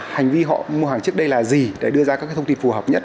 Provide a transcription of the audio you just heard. hành vi họ mua hàng trước đây là gì để đưa ra các thông tin phù hợp nhất